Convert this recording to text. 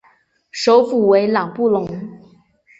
首府为朗布隆。